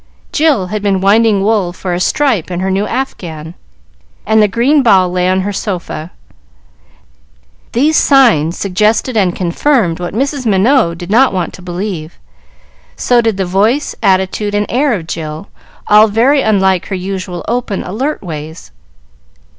Jill had been winding wool for a stripe in her new afghan, and the green ball lay on her sofa. These signs suggested and confirmed what Mrs. Minot did not want to believe; so did the voice, attitude, and air of Jill, all very unlike her usual open, alert ways.